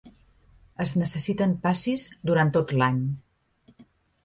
Es necessiten passis durant tot l'any.